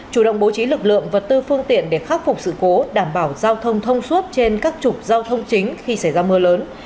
chủ động bố trí lực lượng vật tư phương tiện để khắc phục sự cố đảm bảo giao thông thông suốt trên các trục giao thông chính khi xảy ra mưa lớn